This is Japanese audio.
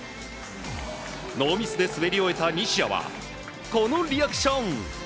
ノーミスで滑り終えた西矢はこのリアクション。